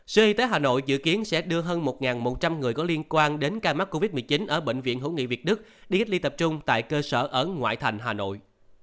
sở y tế hà nội dự kiến sẽ đưa hơn một một trăm linh người có liên quan đến ca mắc covid một mươi chín ở bệnh viện hữu nghị việt đức đi cách ly tập trung tại cơ sở ở ngoại thành hà nội